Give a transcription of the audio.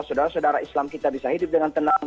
saudara saudara islam kita bisa hidup dengan tenang